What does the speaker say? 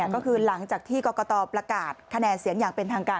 ก็คือหลังจากที่กรกตประกาศคะแนนเสียงอย่างเป็นทางการ